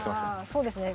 そうですね